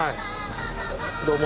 どうも。